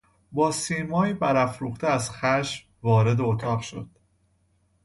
با سیمایی برافروخته از خشم وارد اتاق شد.